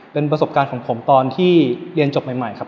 เป็นประสบการณ์ของผมตอนที่เรียนจบใหม่ครับ